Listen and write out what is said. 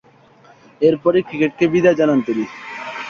এরপরই ক্রিকেটকে বিদায় জানান তিনি।